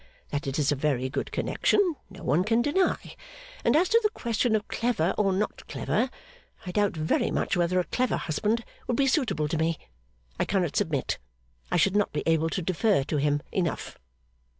That it is a very good connection, no one can deny. And as to the question of clever or not clever, I doubt very much whether a clever husband would be suitable to me. I cannot submit. I should not be able to defer to him enough.